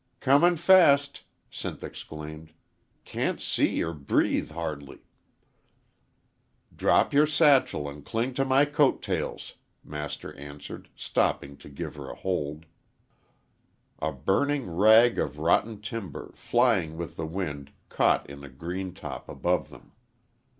"Comin' fast!" Sinth exclaimed. "Can't see or breathe hardly." "Drop your satchel and cling to my coat tails," Master answered, stopping to give her a hold. A burning rag of rotten timber, flying with the wind, caught in a green top above them.